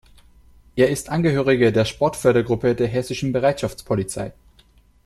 Er ist Angehöriger der Sportfördergruppe der hessischen Bereitschaftspolizei.